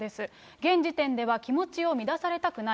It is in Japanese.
現時点では気持ちを乱されたくない。